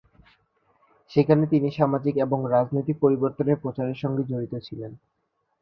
সেখানে তিনি সামাজিক এবং রাজনৈতিক পরিবর্তনের প্রচারের সঙ্গে জড়িত ছিলেন।